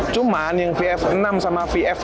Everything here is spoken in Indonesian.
cuman yang vf enam sama vf